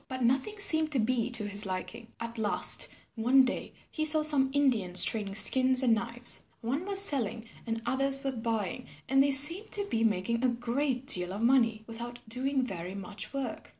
But nothing seemed to be to his liking. At last one day he saw some Indians trading skins and knives. One was selling and others were buying and they seemed to be making a great deal of money without doing very much work.